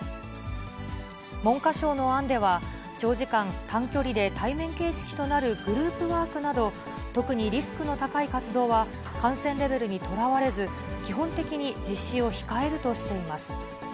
文科省の案では、長時間、近距離で対面形式となるグループワークなど、特にリスクの高い活動は、感染レベルにとらわれず、基本的に実施を控えるとしています。